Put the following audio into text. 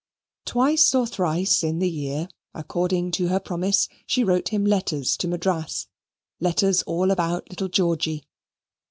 Twice or thrice in the year, according to her promise, she wrote him letters to Madras, letters all about little Georgy.